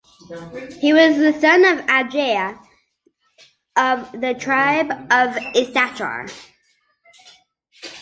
He was the son of Ahijah of the Tribe of Issachar.